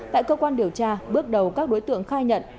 tại cơ quan điều tra bước đầu các đối tượng khai nhận